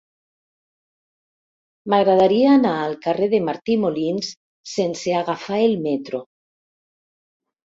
M'agradaria anar al carrer de Martí Molins sense agafar el metro.